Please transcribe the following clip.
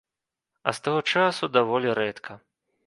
А з таго часу даволі рэдка.